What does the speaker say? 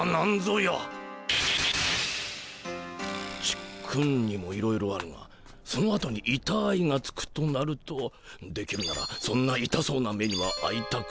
ちっくんにもいろいろあるがそのあとに「いたーい」がつくとなるとできるならそんないたそうな目にはあいたくない。